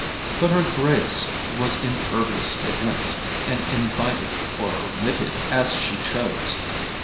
But her grace was impervious to hints, and invited or omitted as she chose.